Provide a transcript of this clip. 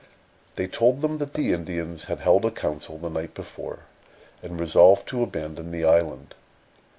They told them that the Indians had held a council the night before, and resolved to abandon the island.